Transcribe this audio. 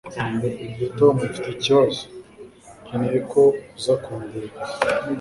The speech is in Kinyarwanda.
tom, mfite ibibazo. nkeneye ko uza kundeba